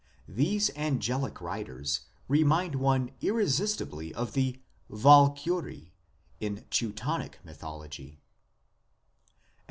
These angelic riders remind one irresistibly of the Walkure in Teutonic Mythology.